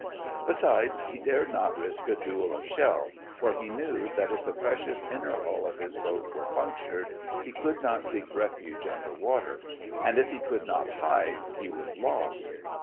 Besides, he dared not risk a duel of shell, for he knew that if the precious inner hull of his boat were punctured, he could not seek refuge under water; and if he could not hide, he was lost.